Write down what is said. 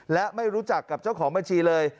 และไม่รู้จักกับเจ้าของบัญชีเลย